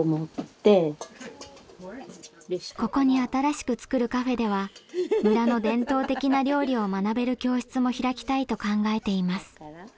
ここに新しく作るカフェでは村の伝統的な料理を学べる教室も開きたいと考えています。